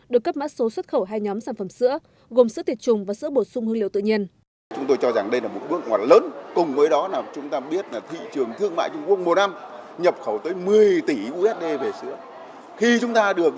được cấp mã số xuất khẩu hai nhóm sản phẩm sữa gồm sữa tiệt trùng và sữa bổ sung hương liệu tự nhiên